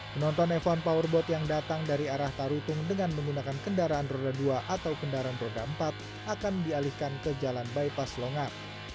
penonton f satu powerboat yang datang dari arah tarutung dengan menggunakan kendaraan roda dua atau kendaraan roda empat akan dialihkan ke jalan bypass longat